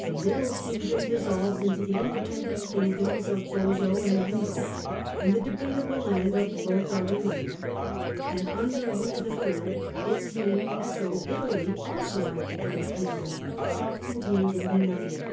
The middle kingdom dissolves into the independent kingdoms of Boso and Rudolph and the debatable land of Lotharingia, and under Louis III. it seemed as though Italy also might become a kingdom, self contained and united.